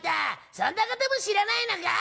そんなことも知らないのか。